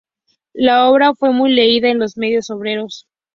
La obra fue muy leída en los medios obreros.